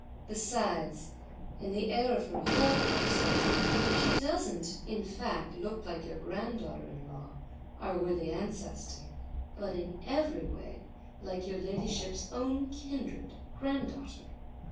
Besides, in the air of her whole person, she doesn't in fact look like your granddaughter in law, our worthy ancestor, but in every way like your ladyship's own kindred granddaughter!